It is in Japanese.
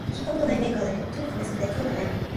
聞いたことないメーカーだけど、とにかく安くて買うか悩む